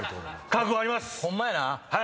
覚悟あります！